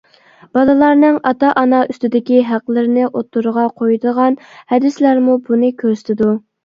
بالىلارنىڭ ئاتا-ئانا ئۈستىدىكى ھەقلىرىنى ئوتتۇرىغا قويىدىغان ھەدىسلەرمۇ بۇنى كۆرسىتىدۇ.